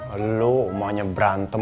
elu omanya berantem